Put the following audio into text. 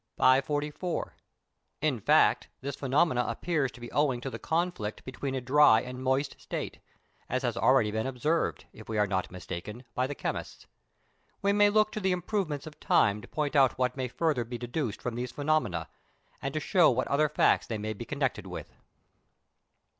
544. In fact, this phenomenon appears to be owing to the conflict between a dry and moist state, as has been already observed, if we are not mistaken, by the chemists. We may look to the improvements of time to point out what may further be deduced from these phenomena, and to show what other facts they may be connected with.